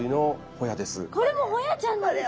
これもホヤちゃんなんですか？